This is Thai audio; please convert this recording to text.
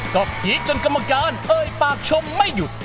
ก็พีคจนกรรมการเอ่ยปากชมไม่หยุด